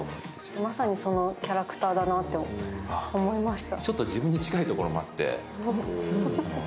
まさにそのキャラクターだなっって思いました。